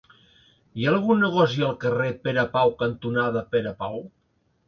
Hi ha algun negoci al carrer Pere Pau cantonada Pere Pau?